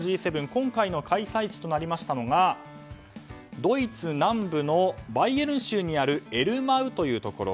今回の開催地となりましたのがドイツ南部のバイエルン州にあるエルマウというところ。